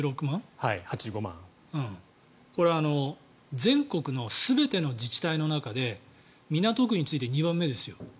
これ、全国の全ての自治体の中で港区に次いで２番目ですよ。